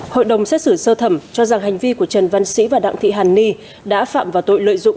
hội đồng xét xử sơ thẩm cho rằng hành vi của trần văn sĩ và đặng thị hàn ni đã phạm vào tội lợi dụng